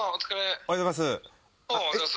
おはようございます。